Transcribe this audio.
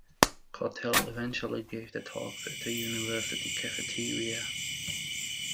Cortell eventually gave the talk at the university cafeteria.